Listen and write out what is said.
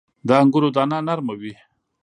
• د انګورو دانه نرمه وي.